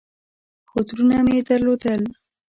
خو ترونه مې درلودل.